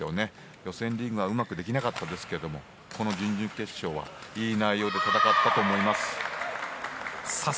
予選リーグはうまくできなかったですがこの準々決勝はいい内容で戦ったと思います。